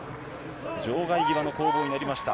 場外際の攻防になりました。